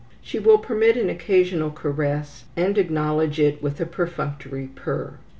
She will permit an occasional caress, and acknowledge it with a perfunctory purr.